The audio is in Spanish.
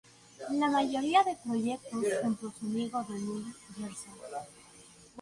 La mayoría de proyectos junto a su amigo Daniel Gerson.